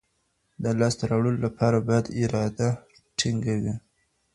د لاسته راوړلو لپاره باید اراده ټینګه وي.